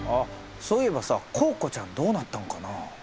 そういえばさコウコちゃんどうなったんかなあ。